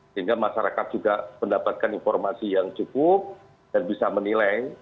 sehingga masyarakat juga mendapatkan informasi yang cukup dan bisa menilai